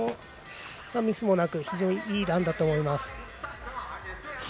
ミスもなく非常にいいランだったと思います。